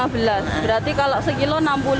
berarti kalau sekilo enam puluh